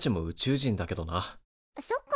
そっか。